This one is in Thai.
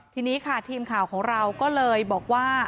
ทีนี้ค่ะทีมข่าวของเราก็เลยบอกว่า